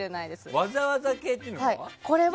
わざわざ系っていうのは？